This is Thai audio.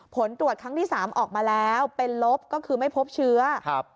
ผลตรวจครั้งที่๓ออกมาแล้วเป็นลบก็คือไม่พบเชื้อครับ